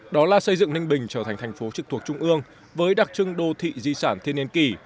đó là xây dựng ninh bình trở thành thành phố trực thuộc trung ương với đặc trưng đô thị di sản thiên nhiên kỳ